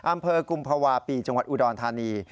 อำเภอกุมภาวะปีจังหวัดอุดรธานี